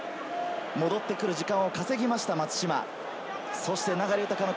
戻ってくる時間を稼ぎました松島。